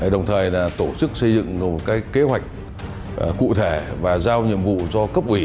đồng thời là tổ chức xây dựng một kế hoạch cụ thể và giao nhiệm vụ cho cấp ủy